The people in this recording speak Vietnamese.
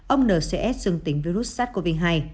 ông n c s dương tính virus sars cov hai